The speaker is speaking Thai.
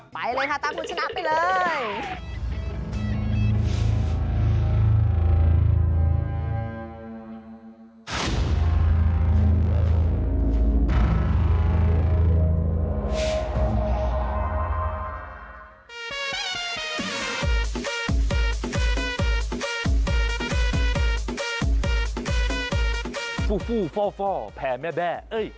ไปเลยค่ะตามคุณชนะไปเลย